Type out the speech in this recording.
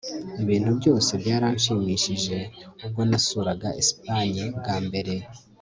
ibintu byose byaranshimishije ubwo nasuraga espagne bwa mbere